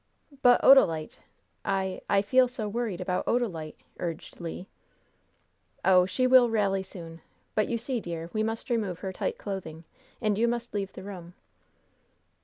"But Odalite? I I feel so worried about Odalite!" urged Le. "Oh, she will rally soon! But you see, dear, we must remove her tight clothing, and you must leave the room."